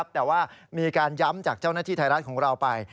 แต่ว่ามีการย้ำจากเจ้าหน้าที่ไทยรัฐของเราไป